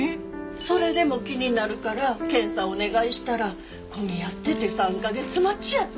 それでも気になるから検査をお願いしたら混み合ってて３カ月待ちやって。